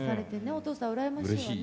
お父さん羨ましいわね。